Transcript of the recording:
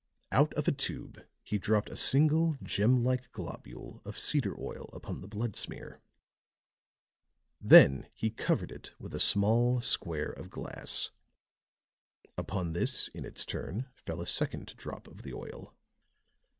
Out of a tube he dropped a single gem like globule of cedar oil upon the blood smear; then he covered it with a small square of glass; upon this in its turn fell a second drop of the oil.